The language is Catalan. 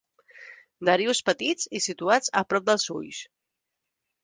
Narius petits i situats a prop dels ulls.